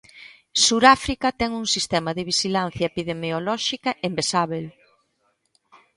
Suráfrica ten un sistema de vixilancia epidemiolóxica envexábel.